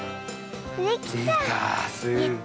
できた。